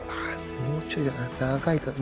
もうちょいだな。